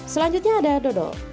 selanjutnya ada dodol